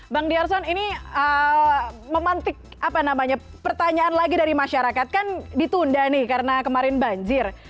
bang ⁇ darson ini memantik pertanyaan lagi dari masyarakat kan ditunda nih karena kemarin banjir